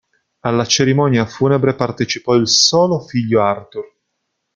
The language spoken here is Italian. Alla cerimonia funebre partecipò il solo figlio Arthur.